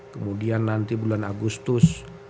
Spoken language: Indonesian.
kemudian nanti bulan agustus